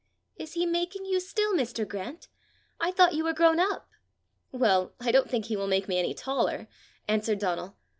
"Is he making you still, Mr. Grant? I thought you were grown up!" "Well, I don't think he will make me any taller," answered Donal.